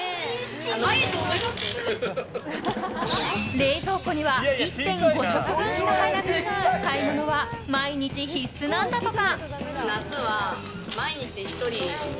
冷蔵庫には１．５食分しか入らず買い物は毎日必須なんだとか。